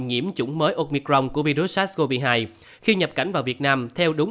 ca nhiễm biến chủng mới omicron của virus sars cov hai khi nhập cảnh vào việt nam theo đúng